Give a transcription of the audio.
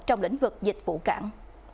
trong lĩnh vực dịch vụ cảng